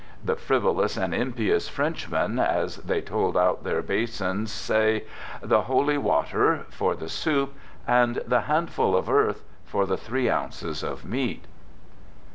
The "frivolous and impious" Frenchmen, as they hold out their basins, say " The Holy Water," for the soup; and "the handful of earth " for the three ounces of meat.